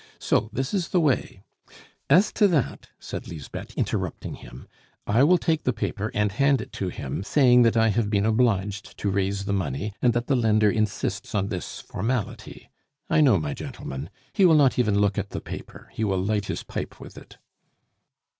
"So this is the way " "As to that," said Lisbeth, interrupting him, "I will take the paper and hand it to him, saying that I have been obliged to raise the money, and that the lender insists on this formality. I know my gentleman. He will not even look at the paper; he will light his pipe with it."